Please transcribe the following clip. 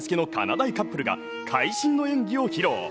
だいカップルが会心の演技を披露。